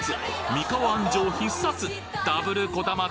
三河安城必殺！